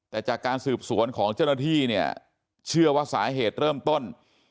แต่จากการสืบสวนของเจ้าหน้าที่เนี่ยเชื่อว่าสาเหตุเริ่มต้น